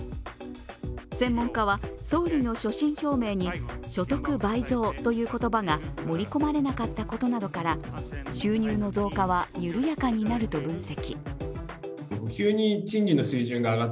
専門家は、総理の所信表明に所得倍増という言葉が盛り込まれなかったことなどから収入の増加は緩やかになると分析。